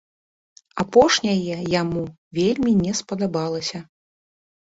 Апошняе яму вельмі не спадабалася.